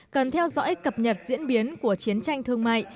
cần theo dõi cập nhật diễn biến của chiến tranh thương mại